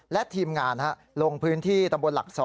และทีมงานลงพื้นที่ตำบลหลัก๒